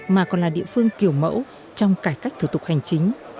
mà còn là địa phương kiểu mẫu trong cải cách thủ tục hành chính